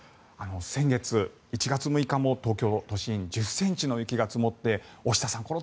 先月、１月６日も東京都心１０ｃｍの雪が積もって大下さん